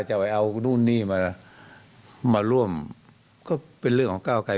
จะเอานู่นนี่มามาร่วมก็เป็นเรื่องของก้าวไกร